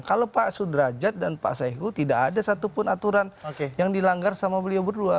kalau pak sudrajat dan pak saiku tidak ada satupun aturan yang dilanggar sama beliau berdua